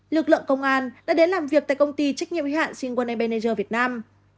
lực lượng công an đã đến làm việc tại công ty trách nhiệm hi hạn sinh quân nbnj việt nam